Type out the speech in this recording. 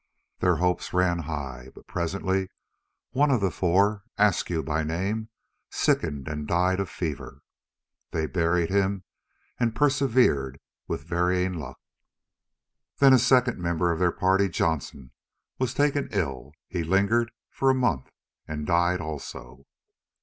Their hopes ran high, but presently one of the four—Askew by name—sickened and died of fever. They buried him and persevered with varying luck. Then a second member of their party, Johnston, was taken ill. He lingered for a month and died also.